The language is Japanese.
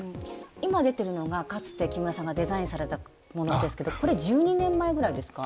今出てるのがかつて木村さんがデザインされたものですけどこれ１２年前ぐらいですか？